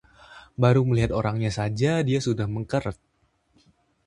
baru melihat orangnya saja dia sudah mengkeret